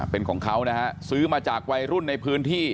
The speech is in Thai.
เป็นของเขานะฮะซื้อมาจากวัยรุ่นในพื้นที่